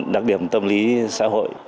đặc điểm tâm lý xã hội